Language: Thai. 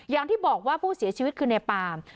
อย่างที่บอกว่าผู้เสียชีวิตคือในปาม